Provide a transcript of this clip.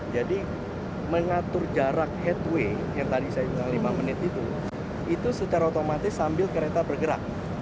jadi mengatur jarak headway yang tadi saya bilang lima menit itu itu secara otomatis sambil kereta bergerak